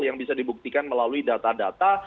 yang bisa dibuktikan melalui data data